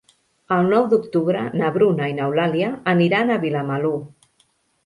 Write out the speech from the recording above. El nou d'octubre na Bruna i n'Eulàlia aniran a Vilamalur.